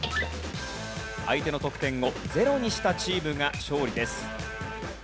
相手の得点をゼロにしたチームが勝利です。